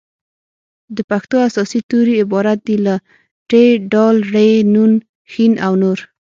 د پښتو اساسي توري عبارت دي له : ټ ډ ړ ڼ ښ او نور